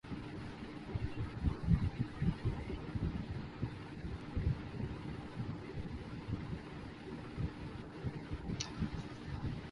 جہاں تک مذہبی وحدت کا تصور ہے۔